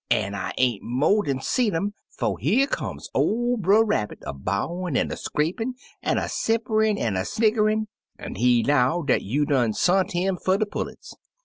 An' I ain't mo' dan seed um 'fo' here come ol' Brer Rabbit, a bowin' an' a scrapin', an' a simperin' an' a sniggerin', an' he 'low dat you done sont 'im fer de pullets.